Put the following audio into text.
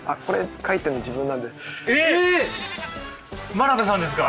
真鍋さんですか？